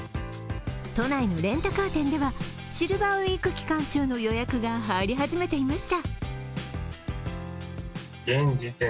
都内のレンタカー店ではシルバーウイーク期間中の予約が入り始めていました。